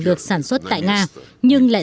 được sản xuất tại nga nhưng lại